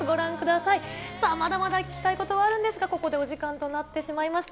さあ、まだまだ聞きたいことがあるんですか、ここでお時間となってしまいました。